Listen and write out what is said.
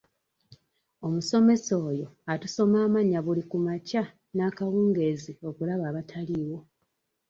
Omusomesa oyo atusoma amannya buli ku makya n'ekawungeezi okulaba abataliiwo.